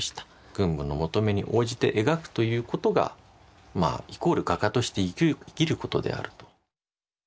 軍部の求めに応じて描くということがイコール画家として生きることであると。